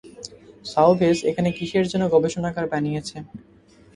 সাওভ্যাজ এখানে কীসের যেন গবেষণাগার বানিয়েছে।